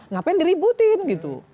ngapain diributin gitu